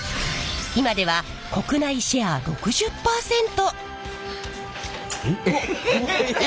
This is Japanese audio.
今では国内シェア６０％！ええ！？